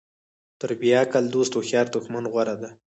تر بیعقل دوست هوښیار دښمن غوره ده.